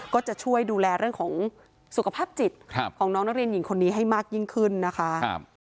ก็จะช่วยดูแลเรื่องของสุขภาพจิตของน้องนักเรียนหญิงคนนี้ให้มากยิ่งขึ้นนะคะ